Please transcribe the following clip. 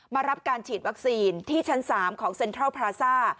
รับการฉีดวัคซีนที่ชั้น๓ของเซ็นทรัลพราซ่า